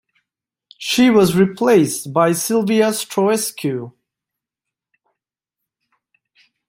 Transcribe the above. She was replaced by Silvia Stroescu.